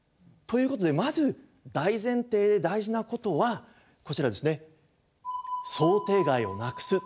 ということでまず大前提で大事なことはこちらですね。